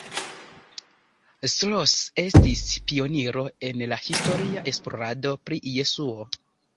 Strauss estis pioniro en la historia esplorado pri Jesuo.